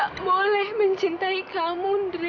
aku gak boleh mencintai kamu ndre